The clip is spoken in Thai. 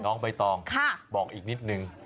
น้องใบตองบอกอีกนิดนึง